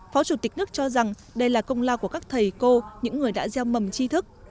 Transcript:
phó chủ tịch nước cho rằng đây là công lao của các thầy cô những người đã gieo mầm chi thức